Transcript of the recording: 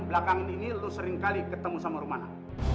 belakangan ini lu seringkali ketemu sama rumana